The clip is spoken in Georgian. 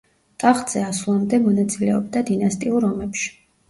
ტახტზე ასვლამდე მონაწილეობდა დინასტიურ ომებში.